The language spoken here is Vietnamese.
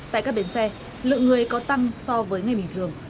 tại các bến xe lượng người có tăng so với ngày bình thường